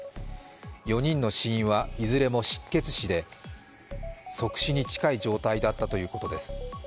４人の死因はいずれも失血死で即死に近い状態だったということです。